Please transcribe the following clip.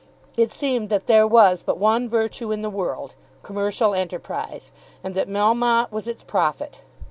It seemed that there was but one virtue in the world, commercial enterprise, and that Melmotte was its prophet.